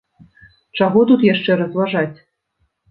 Чаго тут яшчэ разважаць!